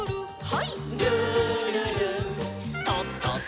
はい。